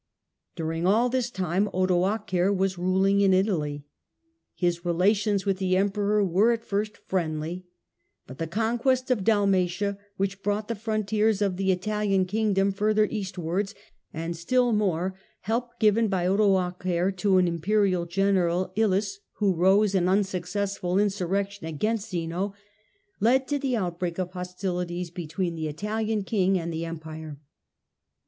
During all this time Odoacer was ruling in Italy. His relations with the Emperor were at first friendly, but the conquest of Dalmatia, which brought the frontiers of the Italian kingdom further eastwards, and still more, help given by Odoacer to an Imperial general, Illus, who rose in unsuccessful insurrection against Zeno, led to the outbreak of hostilities between the Italian king and the Empire.